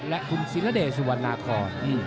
และคุณศิลเดชสุวรรณาคอน